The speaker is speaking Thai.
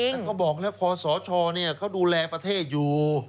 นั่นก็บอกนะครับศชเขาดูแลประเทศอยู่